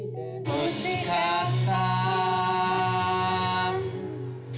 「欲しかった」